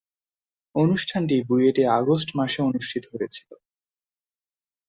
অনুষ্ঠানটি বুয়েটে আগস্ট মাসে অনুষ্ঠিত হয়েছিলো।